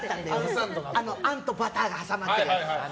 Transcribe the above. あんとバターが挟まってる。